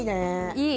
いい！